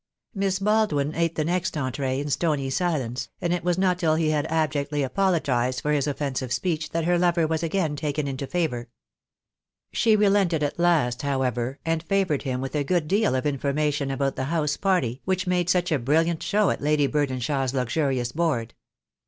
Miss Baldwin ate the next entree in stony silence, THE DAY WILL COME. I 5 and it was not till he had abjectly apologised for his offensive speech that her lover was again taken into favour. She relented at last, however, and favoured him with a good deal of information about the house party which made such a brilliant show at Lady Burden shaw's luxurious board.